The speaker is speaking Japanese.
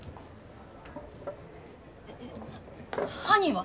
えっ犯人は？